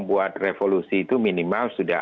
buat revolusi itu minimal sudah